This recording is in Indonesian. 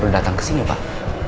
saya baru datang ke sini pak